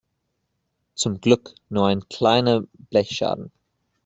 Zum Glück nur ein kleiner Blechschaden.